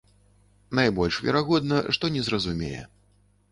Найбольш верагодна, што не зразумее.